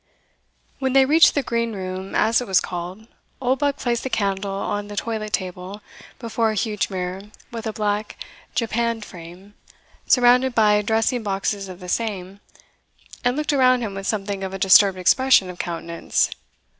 When they reached the Green Room, as it was called, Oldbuck placed the candle on the toilet table, before a huge mirror with a black japanned frame, surrounded by dressing boxes of the same, and looked around him with something of a disturbed expression of countenance.